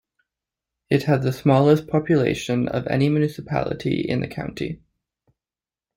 It has the smallest population of any municipality in the county.